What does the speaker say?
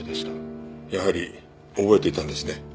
やはり覚えていたんですね。